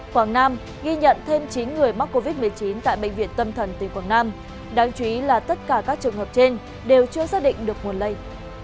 quảng nam ghi nhận thêm chín người mắc covid một mươi chín tại bệnh viện tâm thần tỉnh quảng nam đáng chú ý là tất cả các trường hợp trên đều chưa xác định được nguồn lây